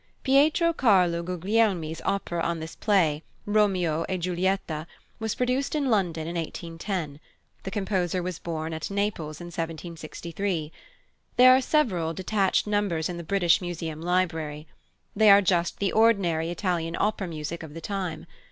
+Pietro Carlo Guglielmi's+ opera on this play, Romeo e Giulietta, was produced in London in 1810. The composer was born at Naples in 1763. There are several detached numbers in the British Museum Library. They are just the ordinary Italian opera music of the time.